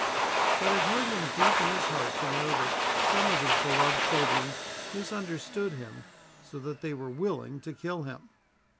But it hurt him deep in his heart to know that some of his beloved children misunderstood him so that they were willing to kill him!